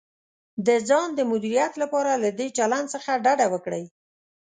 د ځان د مدیریت لپاره له دې چلند څخه ډډه وکړئ: